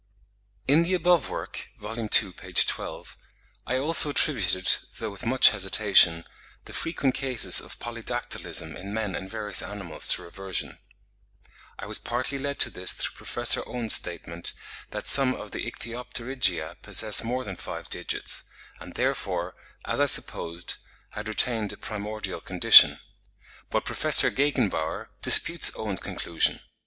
In the above work (vol. ii. p. 12), I also attributed, though with much hesitation, the frequent cases of polydactylism in men and various animals to reversion. I was partly led to this through Prof. Owen's statement, that some of the Ichthyopterygia possess more than five digits, and therefore, as I supposed, had retained a primordial condition; but Prof. Gegenbaur ('Jenaischen Zeitschrift,' B. v. Heft 3, s. 341), disputes Owen's conclusion.